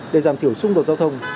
để giảm thiểu xung đột giao thông